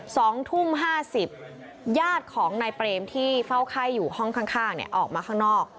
สองทุ่มห้าสิบญาติของนายเปรมที่เฝ้าไข้อยู่ห้องข้างข้างเนี่ยออกมาข้างนอก